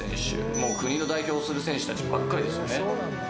もう、国を代表する選手たちばっかりですよね。